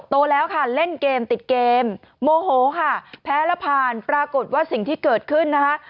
โตแล้วค่ะเล่นเกมติดเกมโมโหค่ะแพ้แล้วผ่านปรากฏว่าสิ่งที่เกิดขึ้นนะคะ